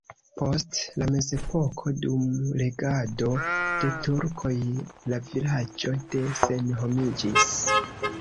Post la mezepoko dum regado de turkoj la vilaĝo ne senhomiĝis.